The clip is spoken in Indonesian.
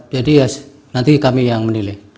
jadi ya nanti kami yang menilai